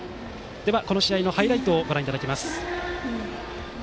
では、この試合のハイライトをご覧いただきます。